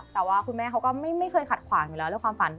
แต่ว่าคุณแม่เขาก็ไม่เคยขัดขวางอยู่แล้วเรื่องความฝัน